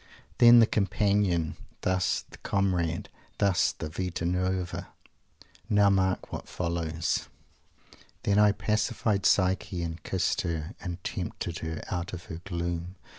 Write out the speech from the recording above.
'" Thus the Companion; thus the Comrade; thus the "Vita Nuova"! Now mark what follows: "Then I pacified Psyche and kissed her, And tempted her out of her gloom.